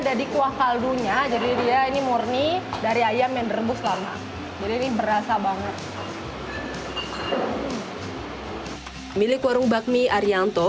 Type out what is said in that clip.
jadi ya ini murni dari ayam yang berebus lama jadi berasa banget milik warung bakmi arianto